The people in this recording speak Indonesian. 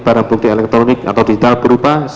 barang bukti elektronik atau digital berupa